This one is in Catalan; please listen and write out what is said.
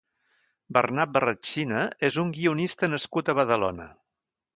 Bernat Barrachina és un guionista nascut a Badalona.